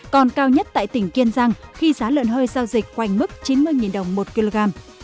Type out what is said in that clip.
còn cao nhất tại tỉnh kiên giang khi giá lợn hơi giao dịch quanh mức chín mươi đồng một kg